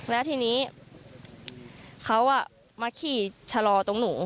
แล้วทีนี้เขามาขี่ชะลอตรงหนู